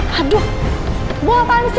haduh ibu apaan sih